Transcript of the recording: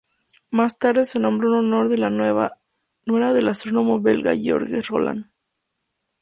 Más tarde se nombró en honor de la nuera del astrónomo belga Georges Roland.